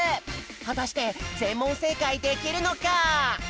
はたしてぜんもんせいかいできるのか！？